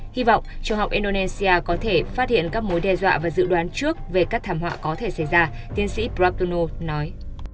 hy vọng trường học indonesia có thể phát hiện các mối đe dọa và dự đoán trước về các thảm họa có thể xảy ra tiến sĩ prapuno nói